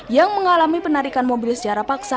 yang mengalami penarikan mobil secara paksa